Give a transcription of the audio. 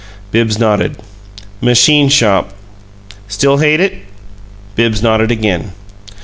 Bibbs nodded. "Machine shop." "Still hate it?" Bibbs nodded again.